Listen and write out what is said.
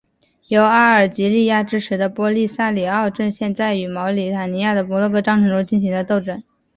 由阿尔及利亚支持的波利萨里奥阵线在与毛里塔尼亚和摩洛哥的战争中进行了斗争。